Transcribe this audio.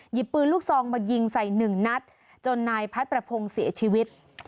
ปืนลูกซองมายิงใส่หนึ่งนัดจนนายพัดประพงศ์เสียชีวิต